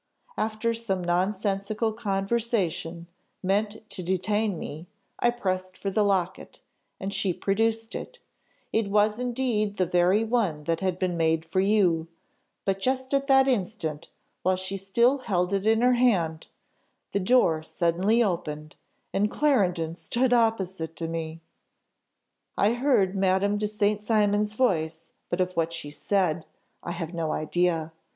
After some nonsensical conversation, meant to detain me, I pressed for the locket, and she produced it: it was indeed the very one that had been made for you But just at that instant, while she still held it in her band, the door suddenly opened, and Clarendon stood opposite to me! "I heard Madame de St. Cymon's voice, but of what she said, I have no idea.